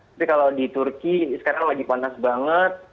tapi kalau di turki sekarang lagi panas banget